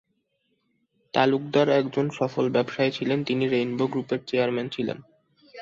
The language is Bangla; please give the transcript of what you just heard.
তালুকদার একজন সফল ব্যবসায়ী ছিলেন, তিনি রেইনবো গ্রুপের চেয়ারম্যান ছিলেন।